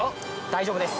大丈夫です。